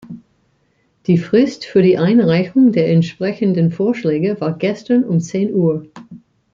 Die Frist für die Einreichung der entsprechenden Vorschläge war gestern um zehn Uhr.